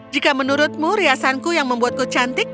jika menurutmu riasanku yang membuatku cantik